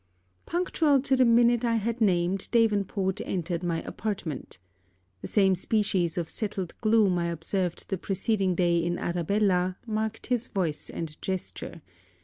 Punctual to the minute I had named, Davenport entered my apartment. The same species of settled gloom I observed the preceding day in Arabella, marked his voice and gesture.